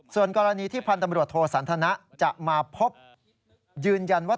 ส่วนกรณีที่พันธ์ตำรวจโทสันทนะจะมาพบยืนยันว่า